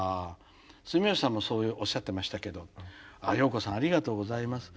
住吉さんもそうおっしゃってましたけどようこさんありがとうございます。